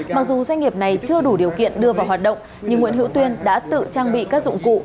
mặc dù doanh nghiệp này chưa đủ điều kiện đưa vào hoạt động nhưng nguyễn hữu tuyên đã tự trang bị các dụng cụ